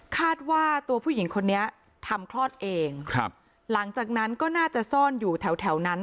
ว่าตัวผู้หญิงคนนี้ทำคลอดเองครับหลังจากนั้นก็น่าจะซ่อนอยู่แถวแถวนั้น